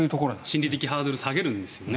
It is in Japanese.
心理的ハードルを下げるんですよね